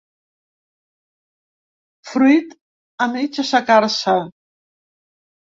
Fruit a mig assecar-se.